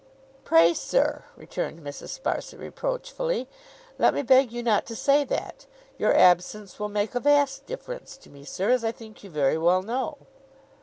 'Pray, sir,' returned Mrs. Sparsit, reproachfully, 'let me beg you not to say that. Your absence will make a vast difference to me, sir, as I think you very well know.